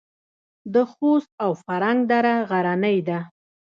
د خوست او فرنګ دره غرنۍ ده